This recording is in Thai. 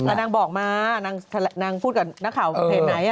แต่นางบอกมานางพูดกับนักข่าวเพจไหน